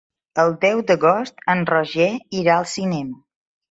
El deu d'agost en Roger irà al cinema.